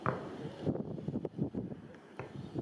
কর্মের এই আদর্শ সম্বন্ধে আর একটি কঠিন সমস্যা আসিয়া পড়ে।